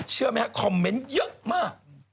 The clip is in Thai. เชื่อมั้ยคะคอมเมนต์เยอะมาก